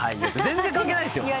全然関係ないんすよ。